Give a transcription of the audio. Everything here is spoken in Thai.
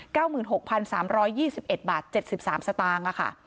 หมื่นหกพันสามร้อยยี่สิบเอ็ดบาทเจ็ดสิบสามสตางค์อ่ะค่ะ